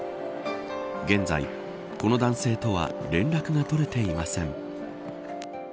現在、この男性とは連絡が取れていません。